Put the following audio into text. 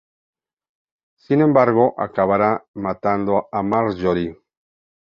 Sin embargo, acabará matando a Marjorie.